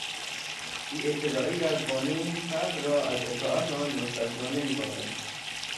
بیاطلاعی از قانون فرد را از اطاعت آن مستثنی نمیکند.